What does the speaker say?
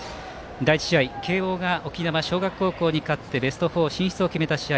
第１試合、慶応が沖縄尚学高校に勝ってベスト４進出を決めた試合。